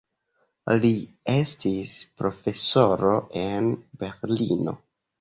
Li estis profesoro en Berlino.